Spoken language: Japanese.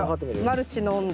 マルチの温度。